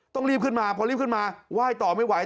ต้องรีบขึ้นมาพอรีบขึ้นมาไหว้ต่อไม่ไหว